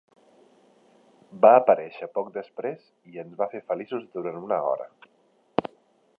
Va aparèixer poc després i ens va fer feliços durant una hora.